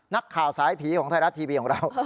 นักข่าวสายผีของไทยรัฐทีวีของเรา